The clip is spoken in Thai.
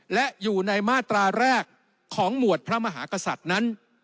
และอยู่ในมาตราแรกของหมวดพระมหากษัตริย์นั้น